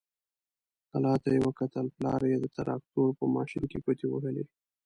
کلا ته يې وکتل، پلار يې د تراکتور په ماشين کې ګوتې وهلې.